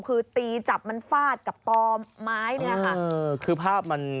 คือตีจับมันฝาดกับต่อไม้